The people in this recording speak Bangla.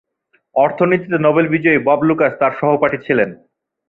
অর্থনীতিতে নোবেল বিজয়ী বব লুকাস তার সহপাঠী ছিলেন।